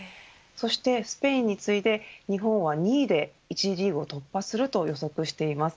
そして、スペインに次いで日本は２位で１次リーグを突破すると予測しています。